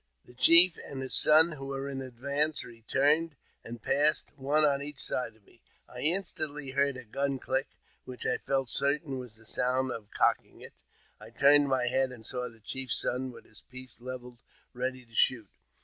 The chief and his son, who were in advance, returned,, and passed one on each side of me. I instantly heard a gun cUck, which I felt certain was the sound of cocking it. I turned my head, and saw the chief's son with his piece levelled ready to shoot.